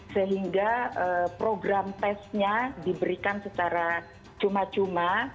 sehingga program tesnya diberikan secara cuma cuma